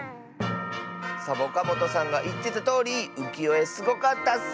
サボカもとさんがいってたとおりうきよえすごかったッス！